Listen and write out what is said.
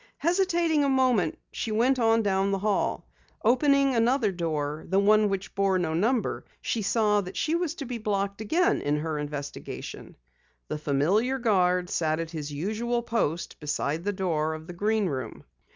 Hesitating a moment she went on down the hall. Opening another door, the one which bore no number, she saw that she was to be blocked again in her investigation. The familiar guard sat at his usual post beside the door of the Green Room.